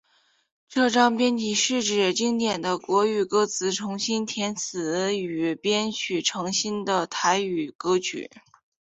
这张专辑是把经典的国语歌曲重新填词与编曲成新的台语歌曲。